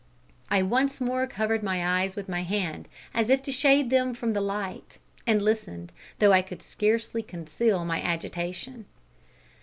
I once more covered my eyes with my hand, as if to shade them from the light, and listened, though I could scarcely conceal my agitation.